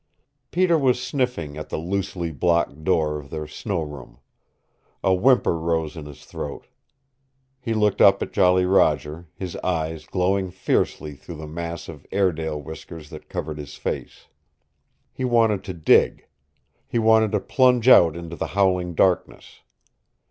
Peter was sniffing at the loosely blocked door of their snow room. A whimper rose in his throat. He looked up at Jolly Roger, his eyes glowing fiercely through the mass of Airedale whiskers that covered his face. He wanted to dig. He wanted to plunge out into the howling darkness.